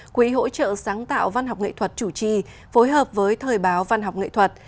quỹ hỗ trợ sáng tạo văn học nghệ thuật chủ trì phối hợp với thời báo văn học nghệ thuật